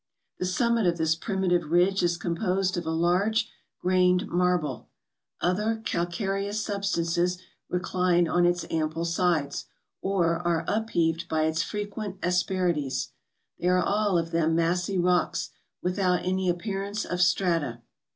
The summit of this primitive ridge is com¬ posed of a large grained marble; other calcareous substances recline on its ample sides, or are up heaved by its frequent asperities. They are all of them massy rocks, without any appearance of strata.